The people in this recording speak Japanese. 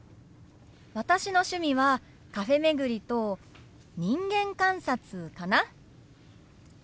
私の趣味はカフェ巡りと人間観察かな。